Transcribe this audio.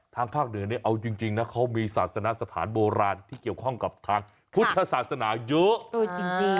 ทางภาคเหนือเนี่ยเอาจริงนะเขามีศาสนสถานโบราณที่เกี่ยวข้องกับทางพุทธศาสนาเยอะจริง